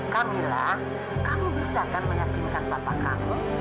kamilah kamu bisa kan menyakinkan papa kamu